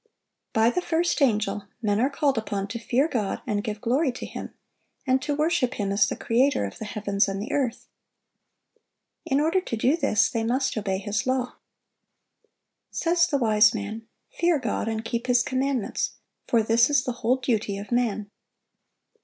(723) By the first angel, men are called upon to "fear God, and give glory to Him," and to worship Him as the Creator of the heavens and the earth. In order to do this, they must obey His law. Says the wise man, "Fear God, and keep His commandments: for this is the whole duty of man."